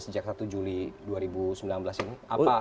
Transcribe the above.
sejak satu juli dua ribu sembilan belas ini